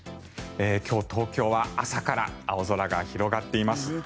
今日、東京は朝から青空が広がっています。